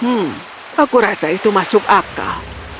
hmm aku rasa itu masuk akal